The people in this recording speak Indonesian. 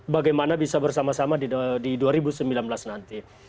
bagaimana bisa bersama sama di dua ribu sembilan belas nanti